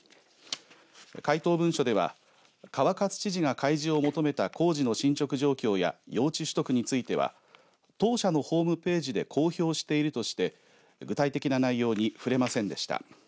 回答文書では川勝知事が開示を求めた工事の進捗状況や用地取得については当社のホームページで公表しているとして具体的な内容に触れませんでした。